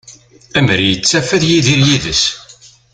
Amer ittaf ad yidir yid-s.